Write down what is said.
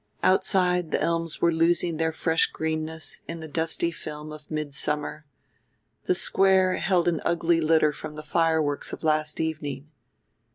Outside, the elms were losing their fresh greenness in the dusty film of midsummer; the Square held an ugly litter from the fireworks of last evening.